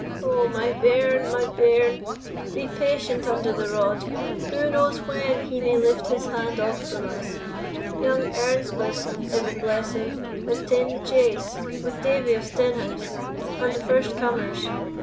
"O my bairn, my bairn! be patient under the rod. Who knows when He may lift His hand off from us? Young Earnscliff, Heaven bless him, has taen the chase, with Davie of Stenhouse, and the first comers.